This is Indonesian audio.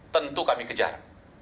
tentu kami kejar